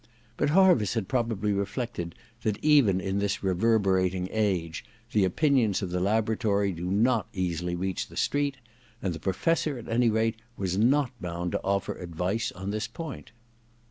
But Harviss had probably reflected that even in this rever berating age the opinions of the laboratory do not easily reach the street ; and the Professor, at any rate, was not bound to offer advice on this point.